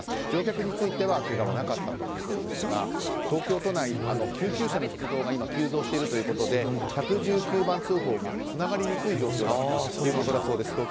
乗客についてはけがはなかったということですが東京都内、救急車の出動が今、急増しているということで１１９番通報がつながりにくい状況だそうです。